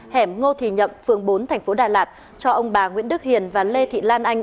hẻm ngô thì nhậm phường bốn thành phố đà lạt cho ông bà nguyễn đức hiền và lê thị lan anh